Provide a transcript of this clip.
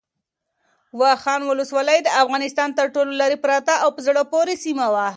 واخان ولسوالۍ د افغانستان تر ټولو لیرې پرته او په زړه پورې سیمه ده.